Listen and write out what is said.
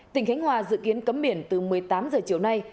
tỉnh khánh hòa dự kiến cấm biển từ một mươi tám h chiều nay